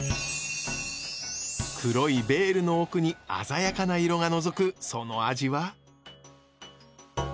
黒いベールの奥に鮮やかな色がのぞくその味は？